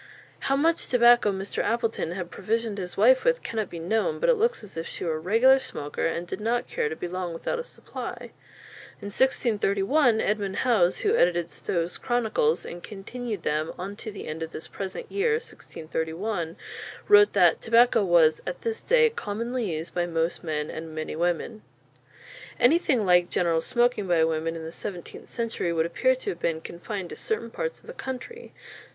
How much tobacco Mr. Appleton had provisioned his wife with cannot be known, but it looks as if she were a regular smoker and did not care to be long without a supply. In 1631 Edmond Howes, who edited Stow's "Chronicles," and continued them "onto the end of this present yeare 1631," wrote that tobacco was "at this day commonly used by most men and many women." Anything like general smoking by women in the seventeenth century would appear to have been confined to certain parts of the country.